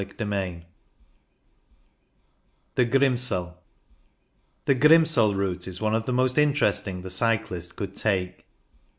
CHAPTER XI THE GRIMSEL The Grimsel route is one of the most interesting the cyclist could take.